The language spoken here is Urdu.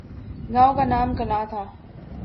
گاؤں کا نام کلاں تھا ۔